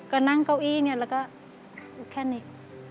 ก็นั่งเก้าอี้เนี่ยแล้วก็แค่นี้